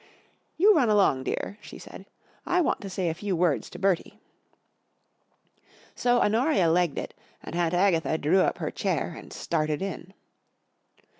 " You run along, dear," she said. * p I want lo say a fc>v words to Bertie." So Honoria legged it, and Aunt Agatha drew up her chair and started in.